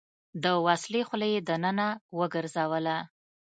د وسلې خوله يې دننه وګرځوله.